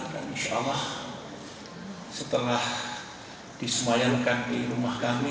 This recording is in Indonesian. dan insyaallah setelah disemayangkan di rumah kami